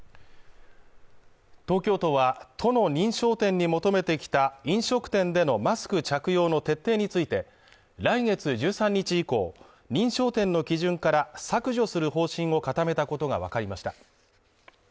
東京都は都の認証店に求めてきた飲食店でのマスク着用の徹底について来月１３日以降認証店の基準から削除する方針を固めたことが分かりました